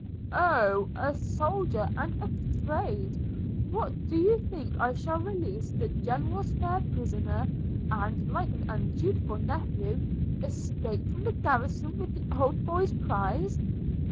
'Oh! a soldier, and afraid! – What, do you think I shall release the General's fair prisoner, and, like an undutiful nephew, escape from the garrison with the old boy's prize?'